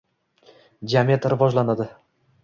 jamiyat rivojlanadi